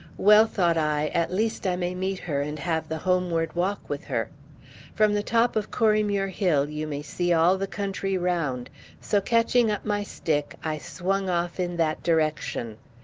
Well, thought I, at least I may meet her and have the homeward walk with her. From the top of Corriemuir hill you may see all the country round; so, catching up my stick, I swung off in that direction.